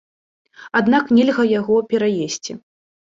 Аднак нельга яго пераесці.